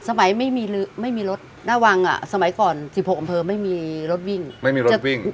สมัยไม่มีรถน่ะวังอะสมัยก่อน๑๖บำเทิงไม่มีรถวิ่งไม่มีรถวิ่ง